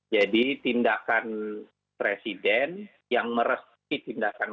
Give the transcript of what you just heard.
jadi tindakan presiden yang meresipi tindakan